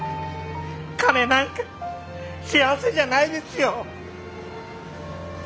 金なんか幸せじゃないですよ！